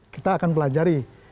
kita akan pelajari